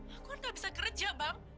aku kan gak bisa kerja bang